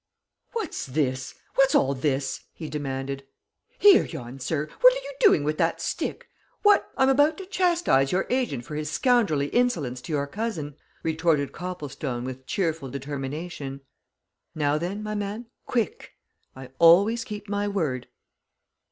"What's this, what's all this?" he demanded. "Here, yon sir, what are you doing with that stick! What " "I'm about to chastise your agent for his scoundrelly insolence to your cousin," retorted Copplestone with cheerful determination. "Now then, my man, quick I always keep my word!"